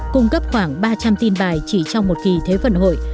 cung cấp khoảng ba trăm linh tin bài chỉ trong một kỳ thế vận hội